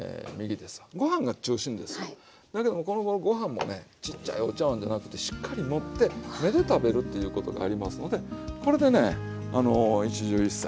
だけどもこのごろご飯もねちっちゃいお茶わんじゃなくてしっかり盛って目で食べるっていうことがありますのでこれでね一汁一菜。